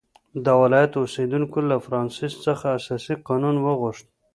د ولایت اوسېدونکو له فرانسیس څخه اساسي قانون وغوښت.